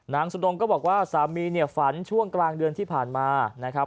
นางสุดงงก็บอกว่าสามีฝันช่วงกลางเดือนที่ผ่านมา